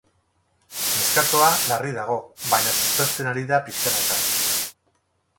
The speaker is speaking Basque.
Neskatoa larri dago, baina suspertzen ari da pixkanaka.